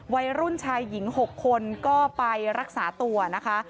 วัยรุ่นชายหญิง๖คนก็ไปรักษาตัวนะคะ